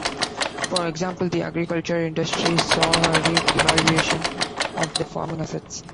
For example, the agriculture industry saw a re-evaluation of their farming assets.